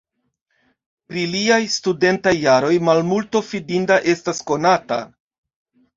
Pri liaj studentaj jaroj malmulto fidinda estas konata.